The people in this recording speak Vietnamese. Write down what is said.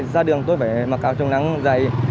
ra đường tôi phải mặc cào trồng nắng dày